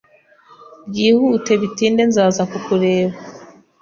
Byihute bitinde nzaza kukureba.